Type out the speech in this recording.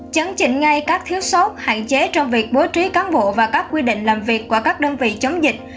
chấn chỉnh ngay các thiếu sót hạn chế trong việc bố trí cán bộ và các quy định làm việc của các đơn vị chống dịch